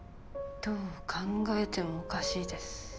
どう考えてもおかしいです。